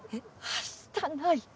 はしたない。